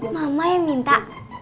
mama yang minta